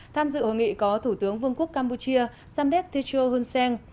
tham dự hội nghị có thủ tướng vương quốc campuchia samdek techo hunseng